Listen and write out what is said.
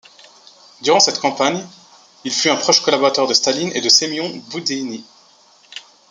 Durant cette campagne, il fut un proche collaborateur de Staline et de Semion Boudienny.